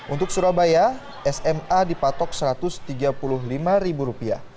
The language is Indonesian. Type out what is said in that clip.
untuk surabaya sma dipatok rp satu ratus tiga puluh lima